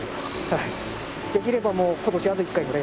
はい。